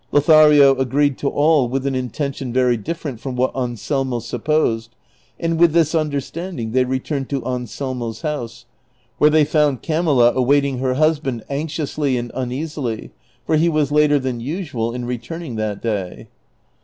Lothario agreed to all with an intention very diftei ent from what Anselmo supposed, and with this understanding they returned to Anselmo's house, where they found Camilla awaiting her husband anxiously and uneasily, for he was later tlian usual in returning that day.